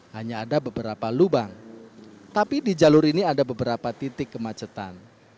hanya ada beberapa lubang tapi di jalur ini ada beberapa titik kemacetan